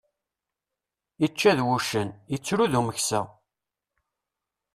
Ičča d wuccen, ittru d umeksa.